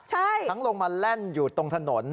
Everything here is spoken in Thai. ทั้งลงมาแล่นอยู่ตรงถนน